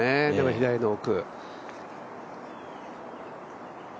左の奥。